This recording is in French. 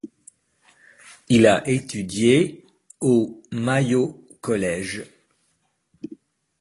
Il a étudié au Mayo College.